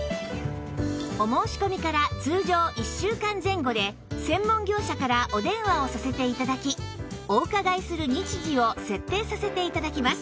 お申し込みから通常１週間前後で専門業者からお電話をさせて頂きお伺いする日時を設定させて頂きます